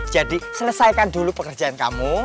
jadi selesaikan dulu pekerjaan kamu